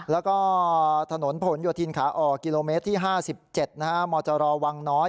แล้วก็ถนนผลโยธินขาออกกิโลเมตรที่๕๗มจรวังน้อย